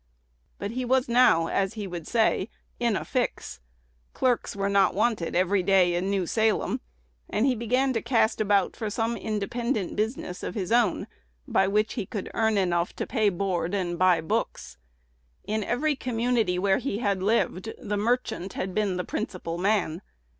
But he was now, as he would say, "in a fix:" clerks were not wanted every day in New Salem and he began to cast about for some independent business of his own, by which he could earn enough to pay board and buy books. In every community where he had lived, "the merchant" had been the principal man.